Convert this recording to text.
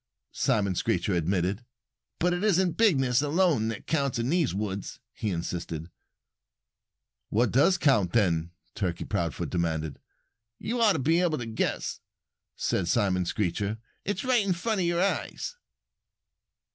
Simon Screecher admitted. "But it isn't bigness alone that counts in the woods," he insisted. "What does count, then?" Turkey Proudfoot demanded. "You ought to be able to guess," said Simon Screecher. "It's right in front of your eyes."